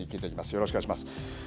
よろしくお願いします。